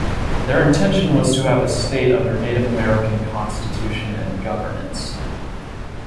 Their intention was to have a state under Native American constitution and governance.